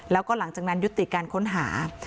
แล้วก็หลังจากนั้นยุติการค้นหา